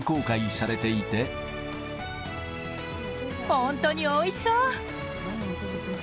本当においしそう。